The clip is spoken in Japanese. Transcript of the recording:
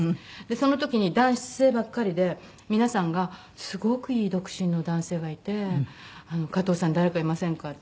その時に男性ばっかりで皆さんが「すごくいい独身の男性がいてかとうさん誰かいませんか？」。